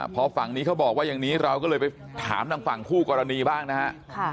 พอฝั่งนี้เขาบอกว่าอย่างนี้เราก็เลยไปถามทางฝั่งคู่กรณีบ้างนะฮะ